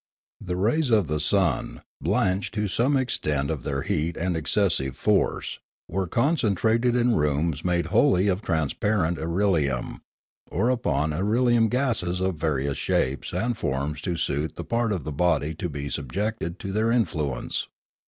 The rays of the sun, blanched to some extent of their heat and excessive force, were concentrated in rooms made wholly of transparent irelium, or upon irelium glasses of various shapes and forms to suit the part of the body to be subjected to their influence.